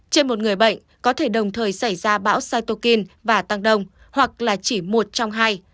trên một người bệnh có thể đồng thời xảy ra bão satokin và tăng đông hoặc là chỉ một trong hai